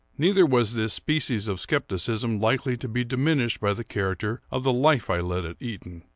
Neither was this species of scepticism likely to be diminished by the character of the life I led at Eton.